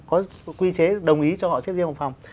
có quy chế đồng ý cho họ xếp riêng một phòng